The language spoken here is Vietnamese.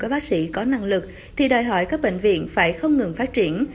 các bác sĩ có năng lực thì đòi hỏi các bệnh viện phải không ngừng phát triển